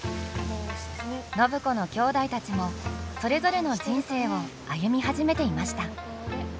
暢子のきょうだいたちもそれぞれの人生を歩み始めていました。